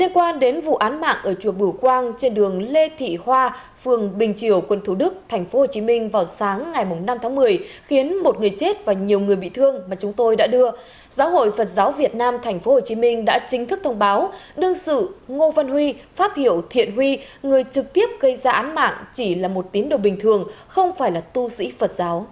các bạn hãy đăng ký kênh để ủng hộ kênh của chúng mình nhé